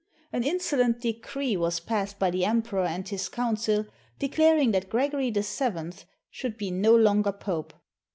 An insolent decree was passed by the Emperor and his council, declaring that Gregory VII should be no longer Pope.